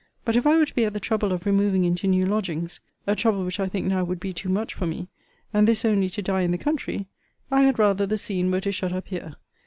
But if I were to be at the trouble of removing into new lodgings, (a trouble which I think now would be too much for me,) and this only to die in the country, I had rather the scene were to shut up here.